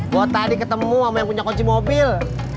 buat tadi ketemu sama yang punya kunci mobil